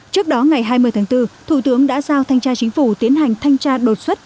trước đó ngày hai mươi tháng bốn thủ tướng đã giao thanh tra chính phủ tiến hành thanh tra đột xuất